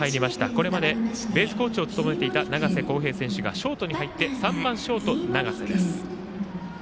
これまでベースコーチを務めていた永瀬滉平選手がショートに入って３番ショート、永瀬です。